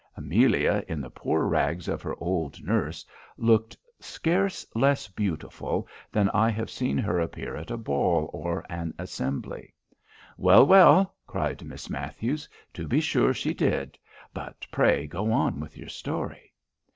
Amelia, in the poor rags of her old nurse, looked scarce less beautiful than I have seen her appear at a ball or an assembly." "Well, well," cries Miss Matthews, "to be sure she did; but pray go on with your story."